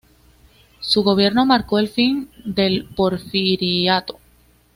Su gobierno marcó el fin del Porfiriato.